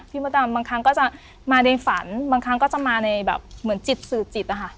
พี่พุทธอ่ะบางครั้งก็จะมาในฝันบางครั้งก็จะมาในแบบเหมือนจิตสือจิตอ่ะฮะ